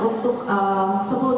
kata kata gelombang empat